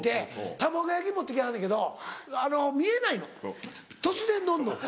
卵焼き持って来はんねんけど見えないの突然のんの。